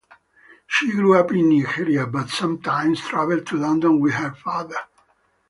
She grew up in Nigeria but sometimes travel to London with her father.